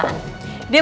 bukan orang tuanya